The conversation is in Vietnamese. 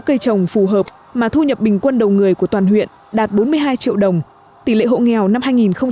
nếu cây trồng phù hợp mà thu nhập bình quân đầu người của toàn huyện đạt bốn mươi hai triệu đồng tỷ lệ hậu nghèo năm hai nghìn một mươi bảy giảm sâu chỉ còn ba ba mươi tám